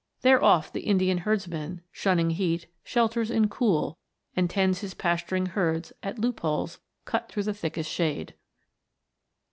There oft the Indian herdsman, shunning heat, Shelters in cool ; and tends his pasturing herds At loop holes cut through thickest shade."